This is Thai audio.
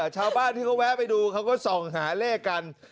ชาวบ้านที่เขาแวะไปดูเขาก็ส่องหาเลขกัน